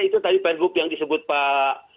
itu tadi perhub yang disebut pak